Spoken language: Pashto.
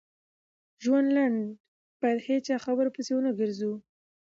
ژوند لنډ بايد هيچا خبرو پسی ونه ګرځو